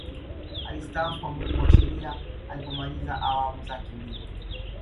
alistaafu kwa mujibu wa sheria alipomaliza wamu zake mbili